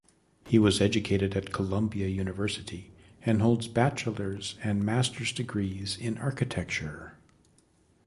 He was educated at Columbia University and holds bachelor's and master's degrees in Architecture.